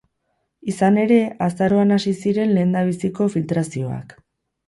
Izan ere, azaroan hasi ziren lehendabiziko filtrazioak.